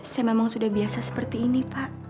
saya memang sudah biasa seperti ini pak